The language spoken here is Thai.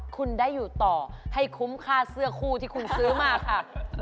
คุณได้อยู่ต่อให้คุ้มค่าเสื้อคู่ที่คุณซื้อมาค่ะ